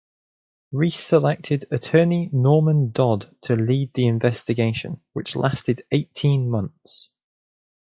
Reece selected attorney Norman Dodd to lead the investigation, which lasted eighteen months.